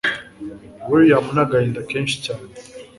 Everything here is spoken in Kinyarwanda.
william nagahinda kenshi cyane